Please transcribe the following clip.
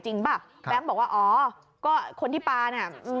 จริงป่ะแบงค์บอกว่าอ๋อก็คนที่ปลาเนี้ยอืม